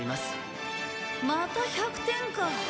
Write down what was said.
また１００点か。